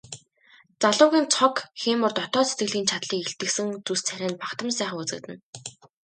Залуугийн цог хийморь дотоод сэтгэлийн чадлыг илтгэсэн зүс царай нь бахдам сайхан үзэгдэнэ.